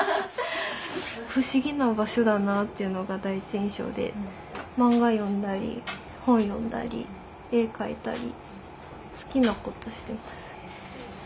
不思議な場所だなっていうのが第一印象で漫画読んだり本読んだり絵描いたり好きなことしてます。